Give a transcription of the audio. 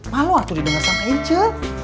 malu waktu didengar sama anchor